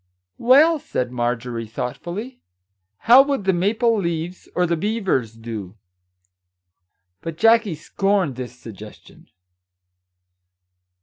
"Well, said Marjorie, thoughtfully, "how would The Maple leaves, or The Beavers, do?" But Jackie scorned this suggestion.